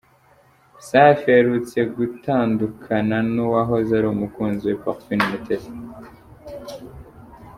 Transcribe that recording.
Safi aherutse gutandukana n’uwahoze ari umukunzi we Parfine Mutesi.